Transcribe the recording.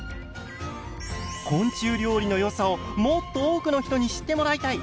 昆虫料理の良さをもっと多くの人に知ってもらいたい。